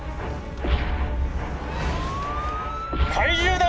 怪獣だ！